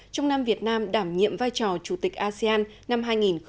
trong năm việt nam đảm nhiệm vai trò chủ tịch asean năm hai nghìn hai mươi